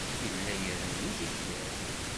Yella irennu tifyar.